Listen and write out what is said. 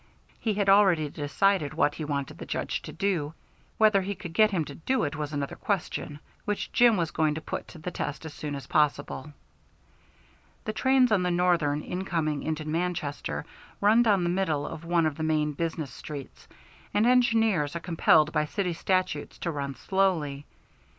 He had already decided what he wanted the Judge to do; whether he could get him to do it was another question, which Jim was going to put to the test as soon as possible. The trains on the Northern in coming into Manchester run down the middle of one of the main business streets, and engineers are compelled by city statutes to run slowly.